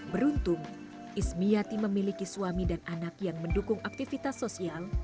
beruntung ismiati memiliki suami dan anak yang mendukung aktivitas sosial